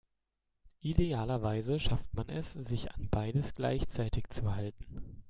Idealerweise schafft man es, sich an beides gleichzeitig zu halten.